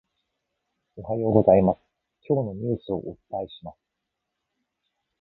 おはようございます、今日のニュースをお伝えします。